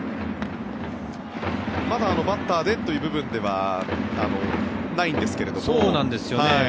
まだバッターでという部分ではないんですけど。